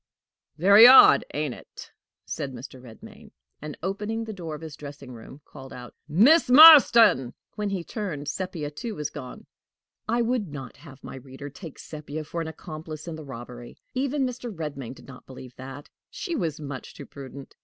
"Very odd ain't it?" said Mr. Redmain, and, opening the door of his dressing room, called out: "Miss Marston!" When he turned, Sepia too was gone. I would not have my reader take Sepia for an accomplice in the robbery. Even Mr. Redmain did not believe that: she was much too prudent!